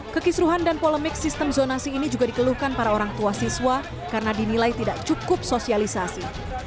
kekisruhan dan polemik sistem zonasi ini juga dikeluhkan para orang tua siswa karena dinilai tidak cukup sosialisasi